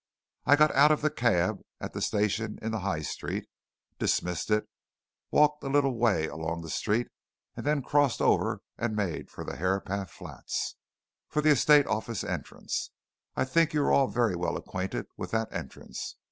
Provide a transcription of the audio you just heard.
"I got out of the cab at the station in the High Street, dismissed it, walked a little way along the street, and then crossed over and made for the Herapath Flats for the estate office entrance. I think you are all very well acquainted with that entrance.